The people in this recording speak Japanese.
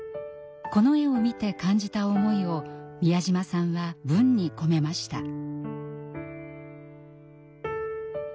この絵を見て感じた思いを美谷島さんは文に込めました。